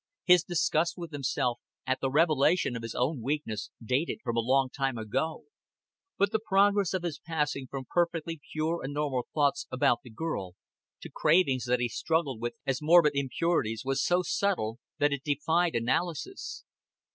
His disgust with himself at the revelation of his own weakness dated from a long time ago; but the progress of his passing from perfectly pure and normal thoughts about the girl to cravings that he struggled with as morbid impurities was so subtle that it defied analysis.